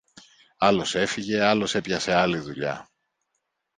Άλλος έφυγε, άλλος έπιασε άλλη δουλειά.